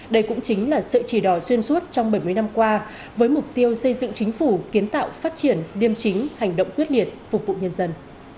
đây cũng chính là sự chỉ đỏ xuyên suốt trong bảy mươi năm qua với mục tiêu xây dựng chính phủ kiến tạo phát triển liêm chính hành động quyết liệt phục vụ nhân dân